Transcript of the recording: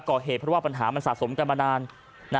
ก่อเหตุเพราะว่าปัญหามันสะสมกันมานาน